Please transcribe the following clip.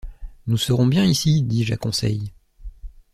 Nous serons bien ici, dis-je à Conseil.